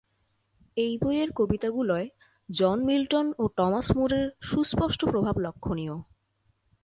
এই বইয়ের কবিতাগুলোয় জন মিল্টন ও টমাস মুর-এর সুস্পষ্ট প্রভাব লক্ষণীয়।